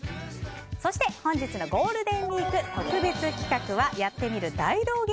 そして、本日のゴールデンウィーク特別企画は「やってみる。」大道芸